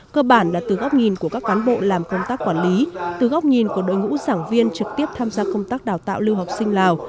cơ bản là từ góc nhìn của các cán bộ làm công tác quản lý từ góc nhìn của đội ngũ giảng viên trực tiếp tham gia công tác đào tạo lưu học sinh lào